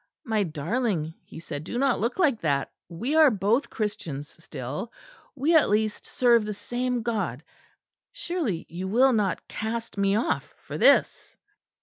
"My darling," he said, "do not look like that: we are both Christians still: we at least serve the same God. Surely you will not cast me off for this?"